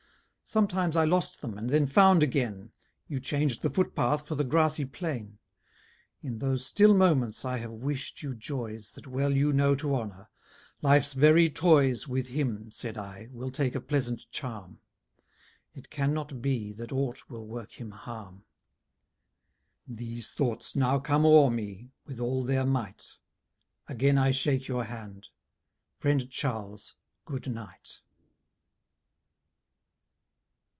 Sometimes I lost them, and then found again; You chang'd the footpath for the grassy plain. In those still moments I have wish'd you joys That well you know to honour: "Life's very toys With him," said I, "will take a pleasant charm; It cannot be that ought will work him harm." These thoughts now come o'er me with all their might: Again I shake your hand, friend Charles, good night.